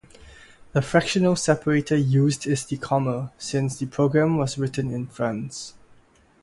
The fractional separator used is the comma, since the program was written in France.